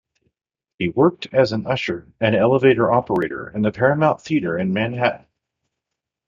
He worked as an usher and elevator operator in the Paramount Theater in Manhattan.